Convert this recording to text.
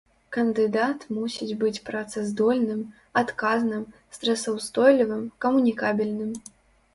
Кандыдат мусіць быць працаздольным, адказным, стрэсаўстойлівым, камунікабельным.